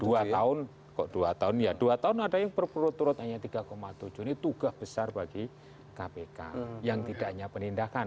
dua tahun kok dua tahun ya dua tahun ada yang berputurut hanya tiga tujuh ini tugas besar bagi kpk yang tidak hanya penindakan